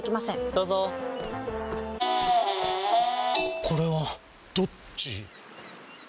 どうぞこれはどっち？